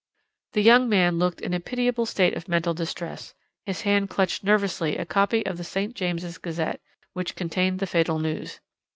"The young man looked in a pitiable state of mental distress; his hand clutched nervously a copy of the St. James's Gazette, which contained the fatal news.